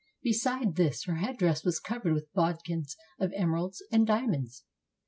Beside this, her headdress was cov ered with bodkins of emeralds and diamonds.